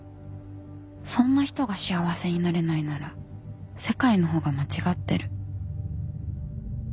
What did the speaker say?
そんな人が幸せになれないなら世界の方が間違ってる。